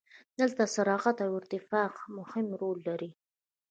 دلته سرعت او ارتفاع مهم رول لري.